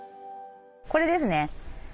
これですね。